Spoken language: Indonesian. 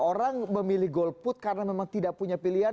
orang memilih golput karena memang tidak punya pilihan